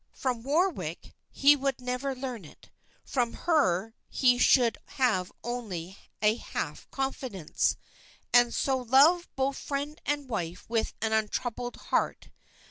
From Warwick he would never learn it, from her he should have only a half confidence, and so love both friend and wife with an untroubled heart.